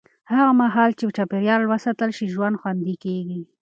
هغه مهال چې چاپېریال وساتل شي، ژوند خوندي کېږي.